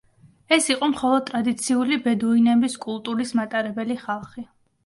ეს იყო მხოლოდ ტრადიციული ბედუინების კულტურის მატარებელი ხალხი.